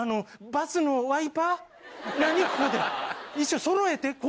バスのワイパー？そろえて！